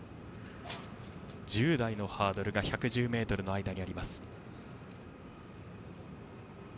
１０台のハードルが１１０ｍの間にあります。